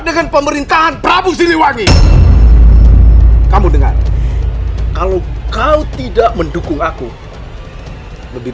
dengan pemerintahan prabu siliwangi kamu dengar kalau kau tidak mendukung aku lebih